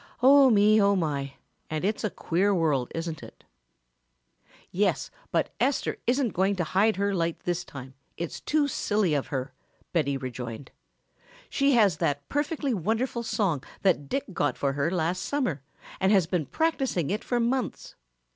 Oh me, oh my, and it's a queer world, isn't it?" "Yes, but Esther isn't going to hide her light this time, it's too silly of her," Betty rejoined. "She has that perfectly wonderful song that Dick got for her last summer and has been practicing it for months.